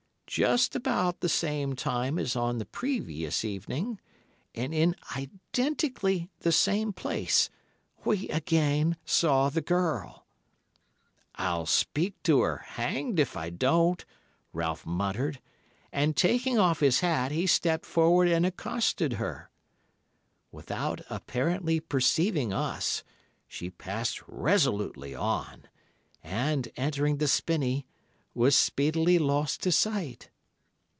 Just about the same time as on the previous evening, and in identically the same place, we again saw the girl. "'I'll speak to her, hanged if I don't,' Ralph muttered, and taking off his hat, he stepped forward and accosted her. Without apparently perceiving us, she passed resolutely on, and, entering the spinney, was speedily lost to sight.